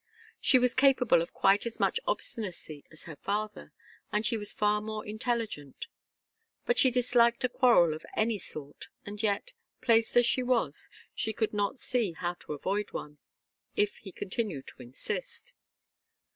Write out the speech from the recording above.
She was capable of quite as much obstinacy as her father, and she was far more intelligent; but she disliked a quarrel of any sort, and yet, placed as she was, she could not see how to avoid one, if he continued to insist.